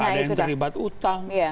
ada yang terlibat utang